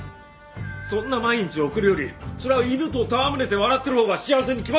そんな毎日を送るよりそりゃ犬と戯れて笑ってるほうが幸せに決まってる！